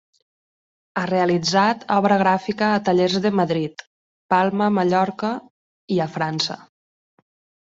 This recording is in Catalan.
Ha realitzat obra gràfica a tallers de Madrid; Palma, Mallorca; i a França.